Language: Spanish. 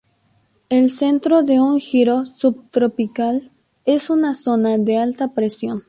El centro de un giro subtropical es una zona de alta presión.